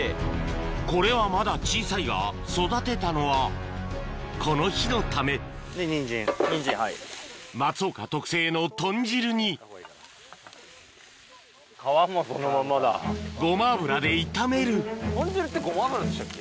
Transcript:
これはまだ小さいが育てたのはこの日のため松岡特製の豚汁にごま油で炒める豚汁ってごま油でしたっけ？